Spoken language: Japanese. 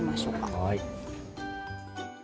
はい。